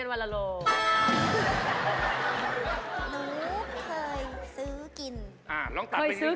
เหินกู